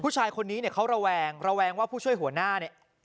ผู้ชายคนนี้เนี่ยเขาระแวงระแวงว่าผู้ช่วยหัวหน้าเนี่ย